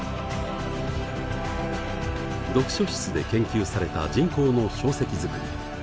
読書室で研究された人工の硝石作り。